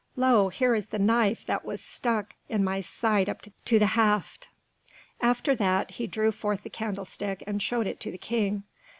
Lo, here is the knife that was struck in my side up to the haft." After that, he drew forth the candlestick, and showed it to the King.